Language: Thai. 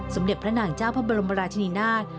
สมเด็จพระนางเจ้าพระบรมราชนีนาฏ